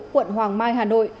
quận hoàng mai hà nội